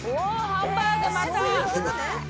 ハンバーグまた。